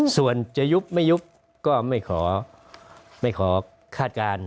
ส่วนจะยุบไม่ยุบก็ไม่ขอไม่ขอคาดการณ์